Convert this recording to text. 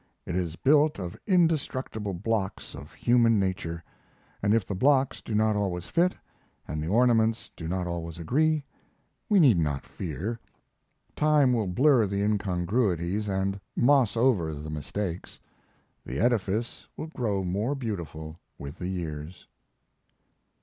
It is built of indestructible blocks of human nature; and if the blocks do not always fit, and the ornaments do not always agree, we need not fear. Time will blur the incongruities and moss over the mistakes. The edifice will grow more beautiful with the years.